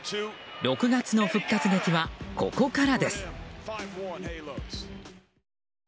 ６月の復活劇は、ここからです。